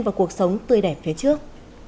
và cuộc sống tươi đẹp phía trước